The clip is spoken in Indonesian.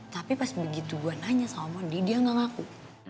tapi pas begitu gue nanya sama mondi dia gak ngaku